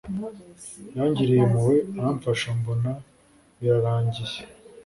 Yangiriye impuhwe aramfasha mbona birarangiye